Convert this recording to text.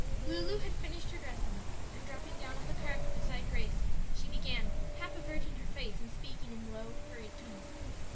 Lulu had finished her dressing, and dropping down on the carpet beside Grace she began, half averting her face and speaking in low, hurried tones.